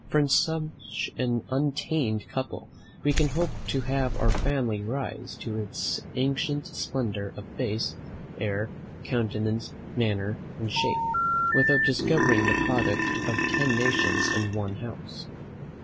From such an untainted couple we can hope to have our family rise to its ancient splendour of face, air, countenance, manner, and shape, without discovering the product of ten nations in one house.